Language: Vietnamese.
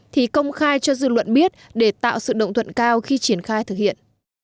thì công khai cho dư luận biết để tạo sự đồng thuận cao khi triển khai thực hiện